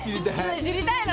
知りたいの？